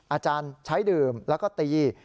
อาจารย์ใช้ดื่มแล้วก็ตี